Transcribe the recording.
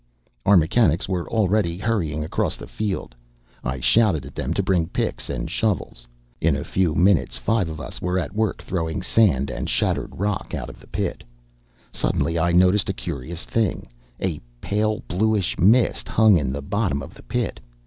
Our mechanics were already hurrying across the field. I shouted at them to bring picks and shovels. In a few minutes five of us were at work throwing sand and shattered rock out of the pit. Suddenly I noticed a curious thing. A pale bluish mist hung in the bottom of the pit.